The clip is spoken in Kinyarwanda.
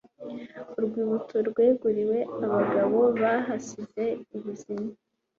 Urwibutso rweguriwe abagabo bahasize ubuzima